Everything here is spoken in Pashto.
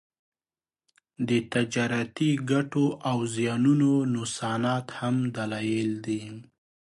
د تجارتي ګټو او زیانونو نوسانات هم دلایل دي